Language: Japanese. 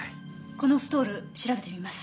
このストール調べてみます。